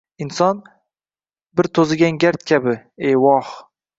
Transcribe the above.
Inson – bir to‘zigan gard kabi, evoh.